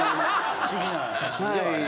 不思議な写真ではある。